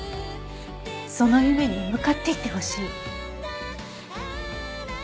その夢に向かっていってほしい。